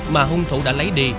mà hung thủ đã lấy đi